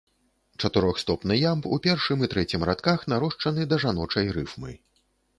Чатырохстопны ямб у першым і трэцім радках нарошчаны да жаночай рыфмы.